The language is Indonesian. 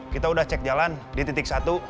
kita udah cek jalan di titik satu